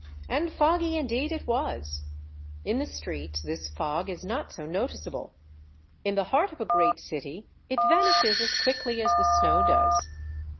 And foggy indeed it was. In the streets this fog is not so noticeable ; in the heart of a great city it vanishes as quickly as the snow does.